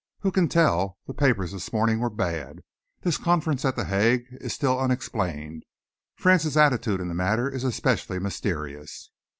"Who can tell? The papers this morning were bad. This conference at The Hague is still unexplained. France's attitude in the matter is especially mysterious."